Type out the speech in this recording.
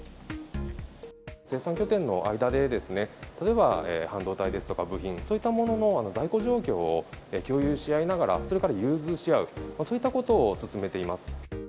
生産拠点の間で、例えば半導体ですとか部品、そういったものの在庫状況を共有し合いながら、それから融通し合う、そういったことを進めています。